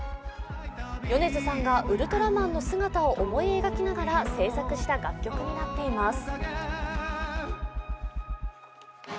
米津さんがウルトラマンの姿を思い描きながら制作した楽曲になっています。